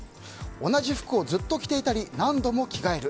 同じ服をずっと着ていたり何度も着替える。